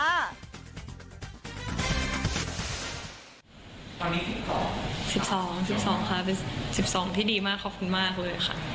ตอนนี้ก็๑๒๑๒ค่ะเป็น๑๒ที่ดีมากขอบคุณมากเลยค่ะ